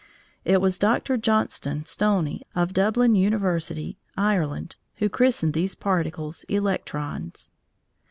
It was Dr. Johnstone Stoney, of Dublin University (Ireland), who christened these particles "electrons."